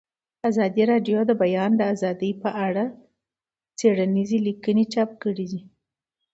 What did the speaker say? ازادي راډیو د د بیان آزادي په اړه څېړنیزې لیکنې چاپ کړي.